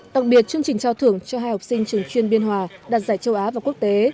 đặc biệt chương trình trao thưởng cho hai học sinh trường chuyên biên hòa đạt giải châu á và quốc tế